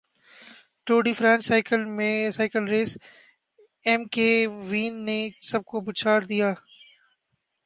Tour de France cycle race اینمک وین نے سب کو پچھاڑدیا